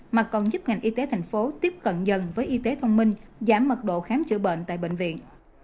mà còn giúp ngành y tế thành phố tiếp cận dần với y tế thông minh giảm mật độ khám chữa bệnh tại bệnh viện